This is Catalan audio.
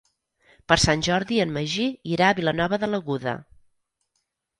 Per Sant Jordi en Magí irà a Vilanova de l'Aguda.